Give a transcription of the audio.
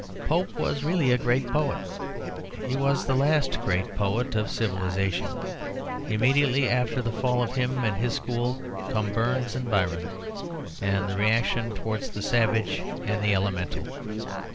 Pope was really a great poet; he was the last great poet of civilisation. Immediately after the fall of him and his school come Burns and Byron, and the reaction towards the savage and the elemental.